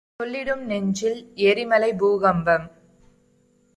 சொல்லிடும் நெஞ்சில் எரிமலை பூகம்பம்